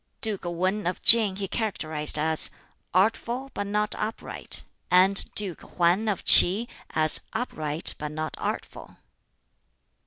Duke Wan of Tsin he characterized as "artful but not upright"; and Duke Hwan of Ts'i as "upright but not artful."